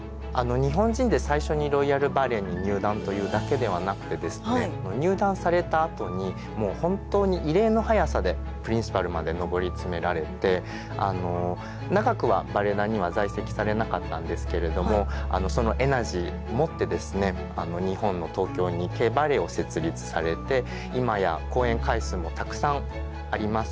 日本人で最初にロイヤル・バレエに入団というだけではなくてですね入団されたあとにもう本当に異例の早さでプリンシパルまで上り詰められてあの長くはバレエ団には在籍されなかったんですけれどもそのエナジーをもってですね日本の東京にＫバレエを設立されて今や公演回数もたくさんあります